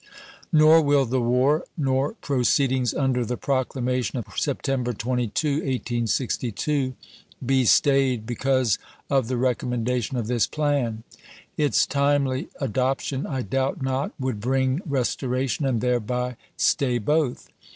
Nor will the war, nor proceedings under the proclamation of September 22, 1862, be stayed because of the recommendation of this plan. Its timely adoption, I doubt not, would bring res toration, and thereby stay both.